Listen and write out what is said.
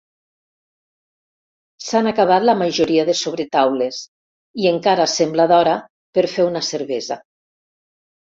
S'han acabat la majoria de sobretaules i encara sembla d'hora per fer una cervesa.